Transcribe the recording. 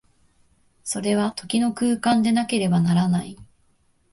それは時の空間でなければならない。